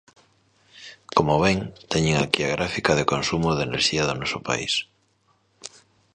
Como ven, teñen aquí a gráfica de consumo de enerxía do noso país.